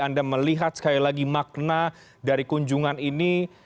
anda melihat sekali lagi makna dari kunjungan ini